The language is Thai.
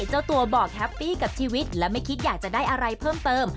เจ้าตัวบอกแฮปปี้กับชีวิตและไม่คิดอยากจะได้อะไรเพิ่มเติม